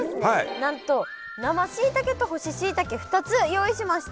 なんと生しいたけと干ししいたけ２つ用意しました。